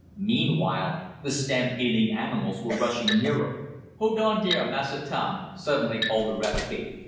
Meanwhile the stampeding animals were rushing nearer. "Hold on dere, Massa Tom!" suddenly called Eradicate.